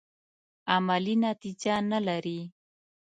عملي نتیجه نه لري.